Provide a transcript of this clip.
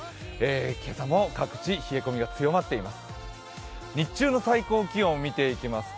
今朝も各地冷え込みが強まっています。